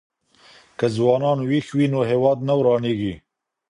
که ځوانان ويښ وي نو هېواد نه ورانېږي.